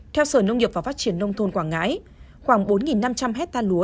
theo sở nông nghiệp và phát triển nông thôn quảng ngãi khoảng bốn năm trăm linh hectare lúa